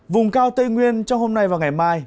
vùng cao tây nguyên trong hôm nay và ngày mai